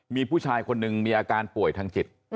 มีผู้ชายคนหนึ่งมีอาการป่วยทางจิต